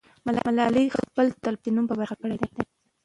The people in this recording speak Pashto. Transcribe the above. ملالۍ خپل تل پاتې نوم په برخه کړی دی.